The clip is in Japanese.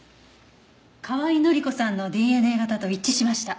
河合範子さんのＤＮＡ型と一致しました。